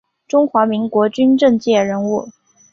中华民国军政界人物。